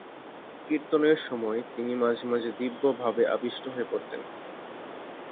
কীর্তনের সময় তিনি মাঝে মাঝে দিব্যভাবে আবিষ্ট হয়ে পড়তেন।